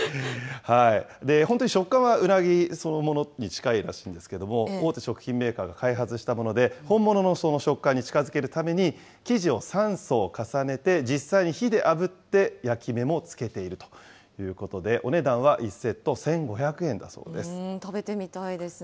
本当に食感はうなぎそのものに近いらしいんですけれども、大手食品メーカーが開発したもので、本物の食感に近づけるために、生地を３層重ねて、実際に火であぶって焼き目もつけているということで、お値段は１セット１５００円食べてみたいですね。